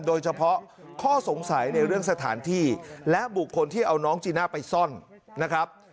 โดยเฉพาะข้อสงสัยในเรื่องสถานที่และบุคคลที่เอาน้องจีน่าไปซ่อนนะครับ